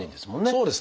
そうですね。